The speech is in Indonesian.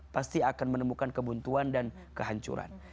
pasti akan menemukan kebuntuan dan kehancuran